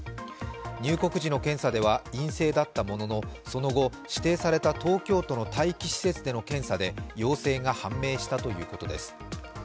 入国時の検査では陰性だったもののその後、指定された東京都の待機施設での検査で陽性が判明したということです。